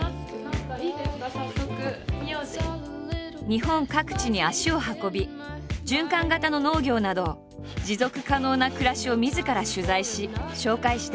日本各地に足を運び循環型の農業など持続可能な暮らしをみずから取材し紹介している。